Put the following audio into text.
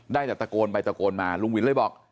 ได้แต่ตะโกนไปตะโกนมาลุงวินเลยบอก